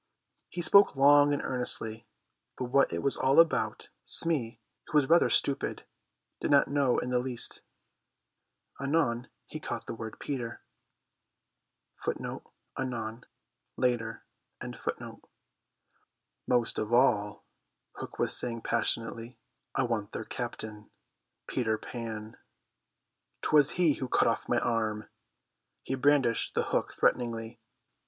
He spoke long and earnestly, but what it was all about Smee, who was rather stupid, did not know in the least. Anon he caught the word Peter. "Most of all," Hook was saying passionately, "I want their captain, Peter Pan. 'Twas he cut off my arm." He brandished the hook threateningly.